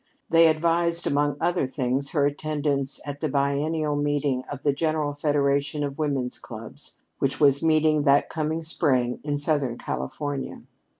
They advised, among other things, her attendance at the biennial meeting of the General Federation of Women's Clubs which was meeting that coming spring in Southern California.